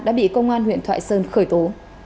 đã bị công an huyện thoại sơn khởi tố